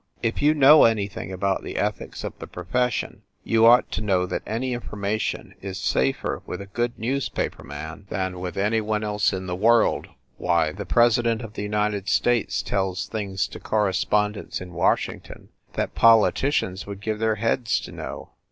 If you know anything about the ethics of the profession, you ought to know that any information is safer with a good newspaper man than with any one else 300 FIND THE WOMAN in the world. Why, the president of the United States tells things to correspondents in Washington that politicians would give their heads to know!